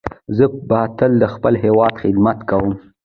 زه به تل د خپل هیواد خدمت کوم.